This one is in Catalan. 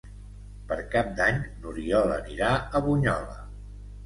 Per Cap d'Any n'Oriol anirà a Bunyola.